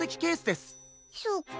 そっか。